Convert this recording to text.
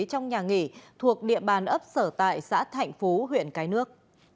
trong nhà nghỉ thuộc địa bàn ấp sở tại xã thạnh phú huyện cái nước